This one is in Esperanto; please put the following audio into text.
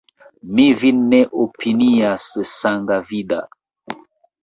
Vi min ne opinias sangavida!